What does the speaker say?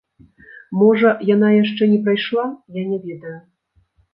Можа, яна яшчэ не прайшла, я не ведаю.